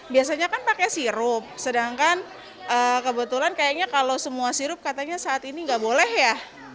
biasanya kan pakai sirup sedangkan kebetulan kayaknya kalau semua sirup katanya saat ini nggak boleh ya